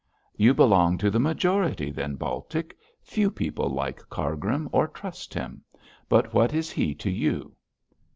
'You belong to the majority, then, Baltic. Few people like Cargrim, or trust him. But what is he to you?'